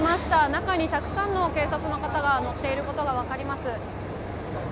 中にたくさんの警察の方が乗っていることが分かります。